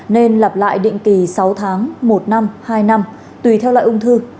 nên lặp lại định kỳ sáu tháng một năm hai năm tùy theo loại ung thư